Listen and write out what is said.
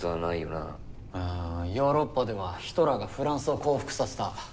ああヨーロッパではヒトラーがフランスを降伏させた。